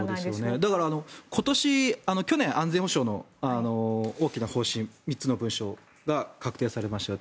だから、今年去年、安全保障の大きな方針３つの文書が改定されましたよと。